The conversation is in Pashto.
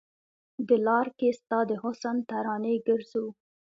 د لار کې ستا د حسن ترانې ګرځو